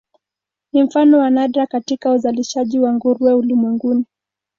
Ni mfano wa nadra katika uzalishaji wa nguruwe ulimwenguni.